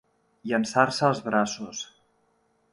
Llançar-se als braços.